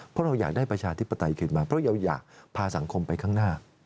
เพราะเราอยากได้ประชาธิปไตยคืนมาเพราะเราอยากพาสังคมไปข้างหน้า